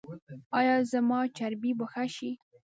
ایا زما چربي به ښه شي؟